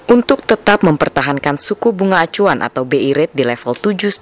untuk tetap mempertahankan suku bunga acuan atau bi rate di level tujuh